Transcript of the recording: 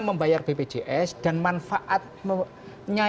membayar bpjs dan manfaatnya